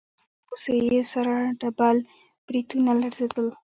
له ډېرې غوسې يې سره ډبل برېتونه لړزېدل.